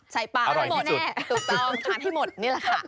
ใส่ปากไม่มองแน่ถูกต้องทานที่หมดนี่ล่ะค่ะค่ะอร่อยที่สุด